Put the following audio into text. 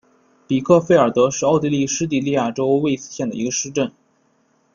比克费尔德是奥地利施蒂利亚州魏茨县的一个市镇。